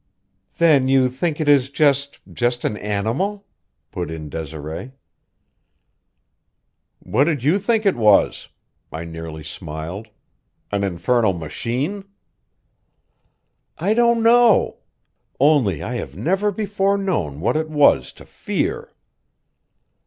"Then you think it is just just an animal?" put in Desiree. "What did you think it was?" I nearly smiled. "An infernal machine?" "I don't know. Only I have never before known what it was to fear."